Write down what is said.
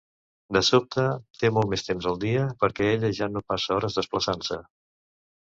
De sobte, té molt més temps al dia, perquè ella ja no passa hores desplaçant-se.